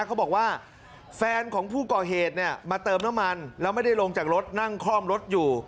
เขาบอกว่าแฟนของผู้ก่อเหตุเนี่ยมาเติมน้ำมันแล้วไม่ได้ลงจากรถนั่งคล่อมรถอยู่